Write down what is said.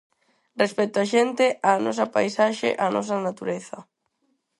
Respecto á xente, á nosa paisaxe, á nosa natureza.